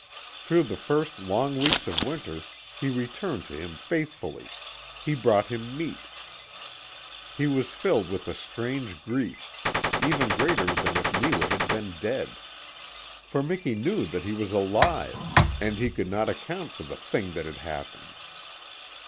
Through the first long weeks of winter he returned to him faithfully; he brought him meat. He was filled with a strange grief even greater than if Neewa had been dead. For Miki knew that he was alive, and he could not account for the thing that had happened.